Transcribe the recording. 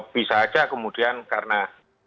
bisa saja kemudian karena